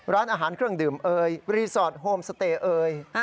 ร้านอาหารเครื่องดื่มเอยรีสอร์ทโฮมสเตย์เอ่ย